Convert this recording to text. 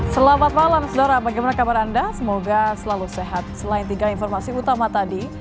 selamat malam sedora bagaimana kabar anda semoga selalu sehat selain tiga informasi utama tadi